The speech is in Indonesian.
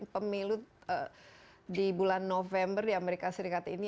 pemilu di bulan november di amerika serikat ini